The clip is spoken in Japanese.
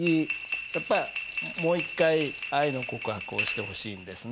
やっぱもう一回愛の告白をしてほしいんですね。